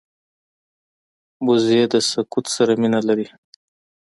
وزې د سکوت سره مینه لري